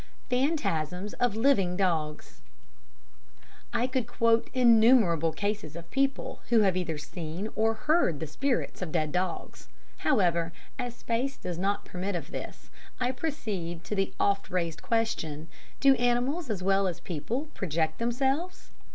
'" Phantasms of Living Dogs I could quote innumerable cases of people who have either seen or heard the spirits of dead dogs. However, as space does not permit of this, I proceed to the oft raised question, "Do animals as well as people project themselves?"